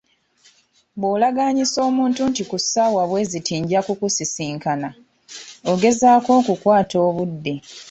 Bw'olagaanyisa omuntu nti ku ssaawa bwe ziti nja kukusisinkana, ogezaako okukukwata obudde.